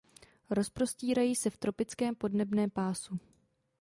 Rozprostírají se v tropickém podnebném pásu.